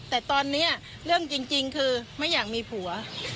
แต่ตอนนี้เรื่องจริงคือไม่อยากมีผัว